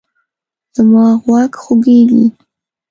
زما غوږ خوږیږي